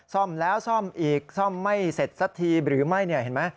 ซ่อมแล้วซ่อมอีกซ่อมไม่เสร็จสักทีหรือไม่เนี่ยเห็นไหม